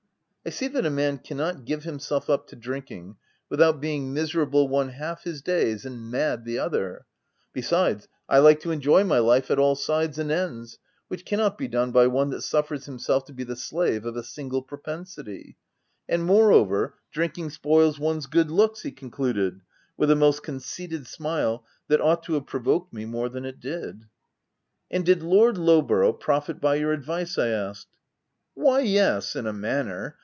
I see that a man can not give himself up to drinking without being OF WILDFELL HALL. 49 miserable one half his days and mad the other ;— besides, I like to enjoy my life at all sides and ends, which cannot be done by one that suffers himself to be the slave of a single propensity — and moreover, drinking spoils one's good looks/' he concluded, with a most conceited smile that ought to have provoked me more than it did. "And did Lord Lowborough profit by your advice?" I asked. " Why, yes, in a manner.